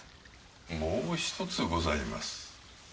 もう一つございます。